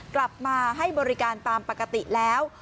กลับมาให้บริการตามปกติแล้ว